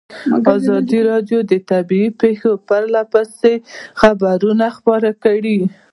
ازادي راډیو د طبیعي پېښې په اړه پرله پسې خبرونه خپاره کړي.